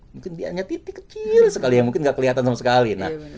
mungkin dia hanya titik kecil sekali yang mungkin nggak kelihatan sama sekali